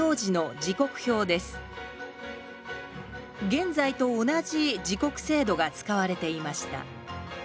現在と同じ時刻制度が使われていました